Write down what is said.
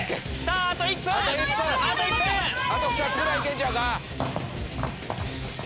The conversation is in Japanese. あと２つぐらい行けるんちゃうか？